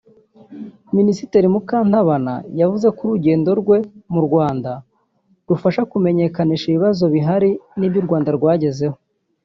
Minisitiri Mukantabana yavuze urugendo rwe mu Rwanda rufasha mu kumenyekanisha ibibazo bihari n’ibyo u Rwanda rwagezeho